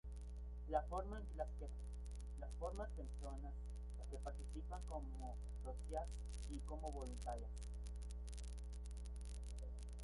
Las forman personas que participan como socias y como voluntarias.